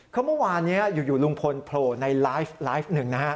เขาเมื่อวานอยู่ลุงพลโปรในไลฟ์หนึ่งนะฮะ